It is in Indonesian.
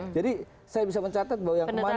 jadi saya bisa mencatat bahwa yang kemarin